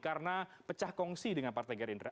karena pecah kongsi dengan partai gerindra